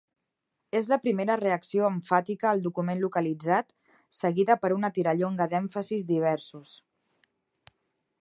És la primera reacció emfàtica al document localitzat, seguida per una tirallonga d'èmfasis diversos.